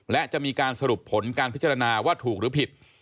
และจะมีการสรุปผลการพิจารณาว่าถูกหรือผิด